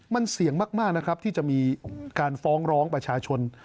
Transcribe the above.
มันเสี่ยงมากนะครับที่จะมีการฟ้องร้องประชาชน